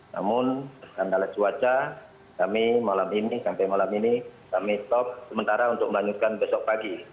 namun kendala cuaca kami malam ini sampai malam ini kami stop sementara untuk melanjutkan besok pagi